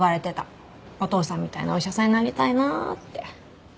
お父さんみたいなお医者さんになりたいなあって。